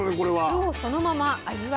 酢をそのまま味わう。